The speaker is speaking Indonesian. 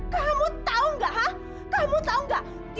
kamu tahu enggak ha kamu tahu enggak